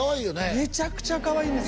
めちゃくちゃかわいいんですよ